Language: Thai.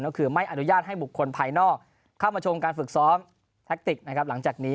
ก็คือไม่อนุญาตให้บุคคลภายนอกเข้ามาชมการฝึกซ้อมแทคติกนะครับหลังจากนี้